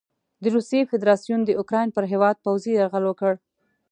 د روسیې فدراسیون د اوکراین پر هیواد پوځي یرغل وکړ.